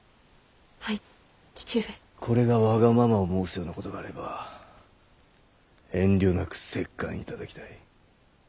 これがわがままを申すようなことがあれば遠慮なく折檻いただきたい。